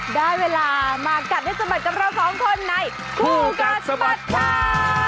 ได้เวลามากับให้สมัครกับเรา๒คนในคู่กันสมัครเท้า